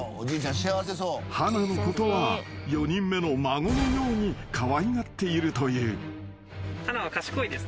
［華のことは４人目の孫のようにかわいがっているという］